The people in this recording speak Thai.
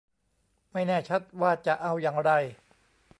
ไม่แน่ชัดว่าจะเอาอย่างไร